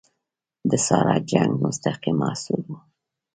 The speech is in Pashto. د ساړه جنګ مستقیم محصول وو.